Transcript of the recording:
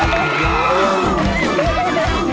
ตอนวันเรียง